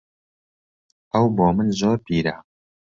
ئەو بۆ من زۆر پیرە.